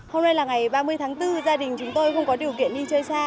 hôm nay là ngày ba mươi tháng bốn gia đình chúng tôi không có điều kiện đi chơi xa